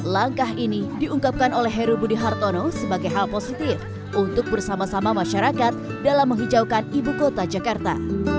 langkah ini diungkapkan oleh heru budi hartono sebagai hal positif untuk bersama sama masyarakat dalam menghijaukan ibu kota jakarta